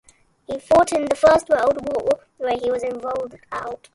He fought in the First World War, where he was invalided out.